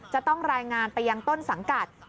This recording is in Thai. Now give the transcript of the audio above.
จะต้องรายงานไปยังต้นสังกัด